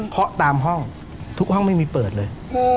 เคาะตามห้องทุกห้องไม่มีเปิดเลย